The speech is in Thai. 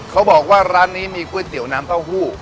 เขาบอกว่าร้านนี้มีก๋วยเตี๋ยวน้ำเต้าหู้